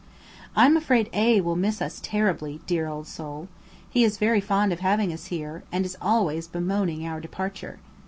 I am afraid A will miss us terribly, dear old soul! He is very fond of having us here, and is always bemoaning our departure.